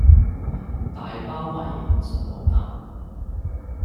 大包米訊號塔